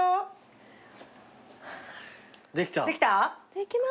できた。